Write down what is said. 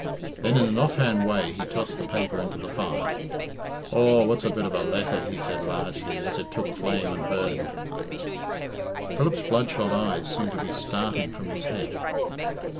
Then in an off hand way he tossed the paper into the fire. "Aw, what's a bit of a letter," he said largely, as it took flame and burned. Philip's bloodshot eyes seemed to be starting from his head.